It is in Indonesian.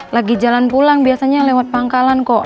lagi jalan pulang biasanya lewat pangkalan kok